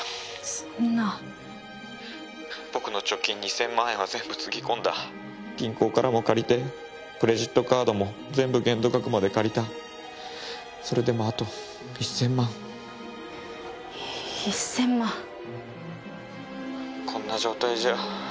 そんな☎僕の貯金２０００万円は全部つぎ込んだ銀行からも借りてクレジットカードも全部限度額まで借りたそれでもあと１０００万１０００万こんな状態じゃあ